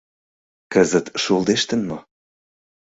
— Кызыт шулдештын мо?